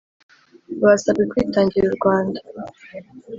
basabwe kwitangira u rwanda